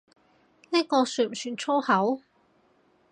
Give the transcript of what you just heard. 呢個算唔算粗口？